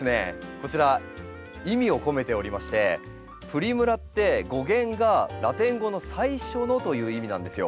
こちら意味を込めておりましてプリムラって語源がラテン語の「最初の」という意味なんですよ。